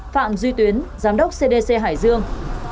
sáu phạm duy tuyến giám đốc cdc hải dương